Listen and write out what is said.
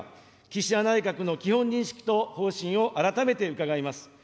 岸田内閣の基本認識と方針を改めて伺います。